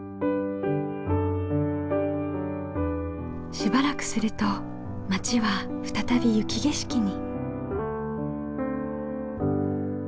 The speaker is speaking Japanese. しばらくすると町は再び雪景色に。